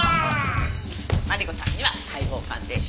マリコさんには解剖鑑定書。